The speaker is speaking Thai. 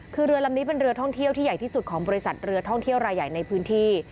คือเรือลำนี้เป็นเรือท่องเที่ยวที่ใหญ่ที่สุดของบริษัทเรือท่องเที่ยวรายใหญ่ในพื้นที่